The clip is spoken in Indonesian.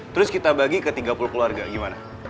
terus kita bagi ke tiga puluh keluarga gimana